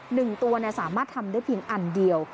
หนึ่งตัวเนี่ยสามารถทำได้เพียงอันเดียว